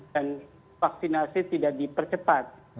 dan vaksinasi tidak dipercepat